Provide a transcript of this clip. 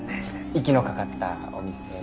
息のかかったお店？